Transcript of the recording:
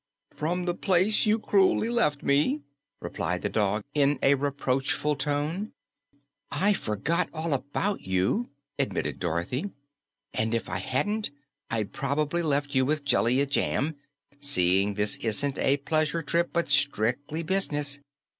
"From the place you cruelly left me," replied the dog in a reproachful tone. "I forgot all about you," admitted Dorothy, "and if I hadn't, I'd prob'ly left you with Jellia Jamb, seeing this isn't a pleasure trip but stric'ly business.